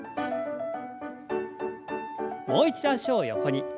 もう一度脚を横に。